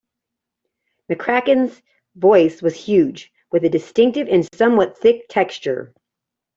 McCracken's voice was huge, with a distinctive and somewhat thick texture.